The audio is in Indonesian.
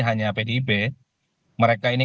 hanya pdip mereka ini